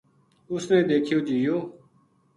اس نے دیکھیو جی یوہ